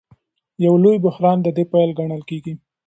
یو لوی بحران د دې پیل ګڼل کېږي.